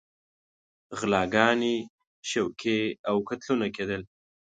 غلاګانې، شوکې او قتلونه کېدل.